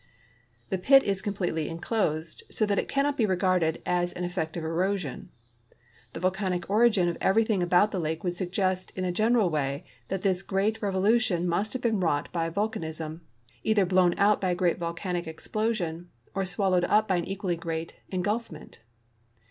The pit is completely inclosed, so that it cannot be regarded as an effect of erosion. The volcanic origin of everything about the lake would suggest in a general way that this great revolu tion must have been wrought by volcanism, either blown out by a great volcanic explosion or swallowed up by an eijualh' great engulfment.